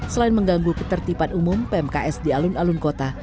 selain mengganggu ketertiban umum pmks di alun alun kota